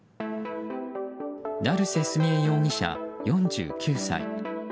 成瀬澄恵容疑者、４９歳。